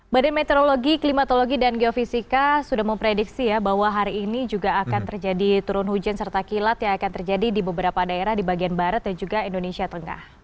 badan meteorologi klimatologi dan geofisika sudah memprediksi ya bahwa hari ini juga akan terjadi turun hujan serta kilat yang akan terjadi di beberapa daerah di bagian barat dan juga indonesia tengah